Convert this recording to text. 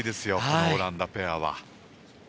このオランダペアは。